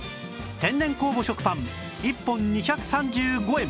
天然酵母食パン１本２３５円